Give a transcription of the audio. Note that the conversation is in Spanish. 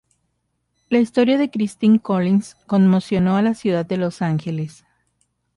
La historia de Christine Collins conmocionó a la ciudad de Los Ángeles.